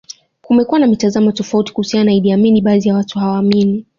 Kumekuwa na mitazamo tofauti kuhusiana na Idi Amin baadhi ya watu hawaamini